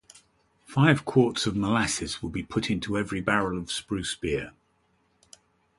Five quarts of molasses will be put into every barrel of Spruce Beer.